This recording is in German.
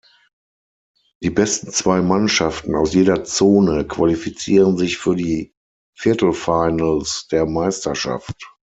Die besten zwei Mannschaften aus jeder Zone qualifizieren sich für die Viertelfinals der Meisterschaft.